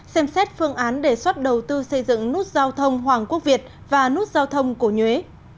xem xét phương án đề xuất đầu tư xây dựng nút giao thông hoàng quốc việt và nút giao thông cổ nhuế